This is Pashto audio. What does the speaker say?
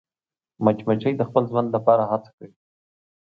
مچمچۍ د خپل ژوند لپاره هڅه کوي